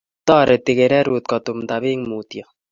Toreti kererut kutumta beek mutyo